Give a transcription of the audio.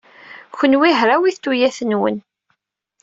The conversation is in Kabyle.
Kenwi hrawit tuyat-nwen.